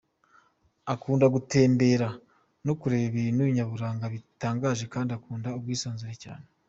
Akunda gutembera no kureba ibintu nyaburanga bitangaje kandi akunda ubwisanzure cyane.